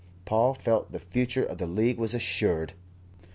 Paul felt the future of the League was assured.